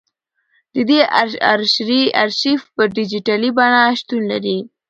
د دې ارشیف په ډیجیټلي بڼه شتون لري.